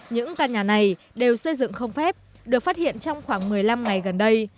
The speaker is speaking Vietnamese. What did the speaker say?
những căn nhà này đều xây dựng không phép được phát hiện trong khoảng một mươi năm ngày gần đây